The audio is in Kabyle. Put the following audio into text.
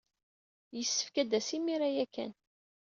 Yessefk ad d-tas imir-a ya kan!